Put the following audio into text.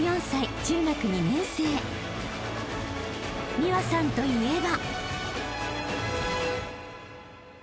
［美和さんといえば］